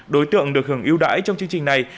đối tượng được hưởng ưu đãi trong chương trình này